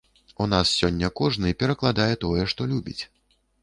У нас сёння кожны перакладае тое, што любіць.